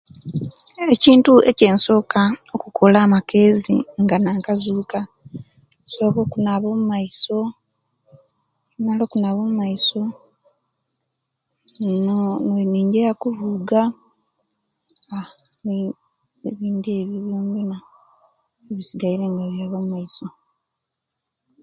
Kale ekintu ekyensoka okola amakezi nga nakazuka nsoka okunaba omaiso, obwemala okunaba omaiso, ninjeya ku oluga, aah ebindi ebyo byonabyona ebisigaire nga byaaba maiso.